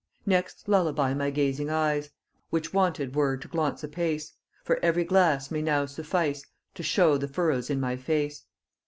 Next lullaby my gazing eyes, Which wonted were to glaunce apace; For every glass may now suffice To shew the furrows in my face.